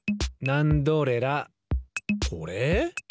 これ？